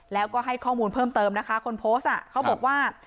แล้วก็ให้ข้อมูลเพิ่มเติมนะคะคนโพสต์เขาบอกว่า